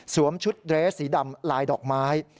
ชุดเรสสีดำลายดอกไม้